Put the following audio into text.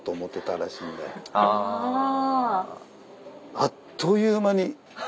あっという間に。